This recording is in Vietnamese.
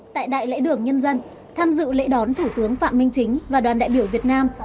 tại đại lễ đường nhân dân tham dự lễ đón thủ tướng phạm minh chính và đoàn đại biểu việt nam